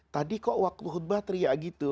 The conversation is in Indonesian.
tadi kok waktu khutbah teriak gitu